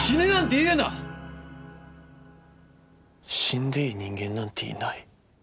死んでいい人間なんていない。